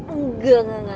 enggak enggak enggak